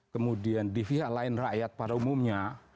kemudian di pihak lain rakyat pada umumnya